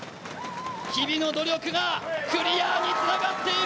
日々の努力がクリアにつながっている。